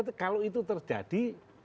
nah kalau itu terjadi